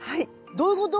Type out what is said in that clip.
どういうこと？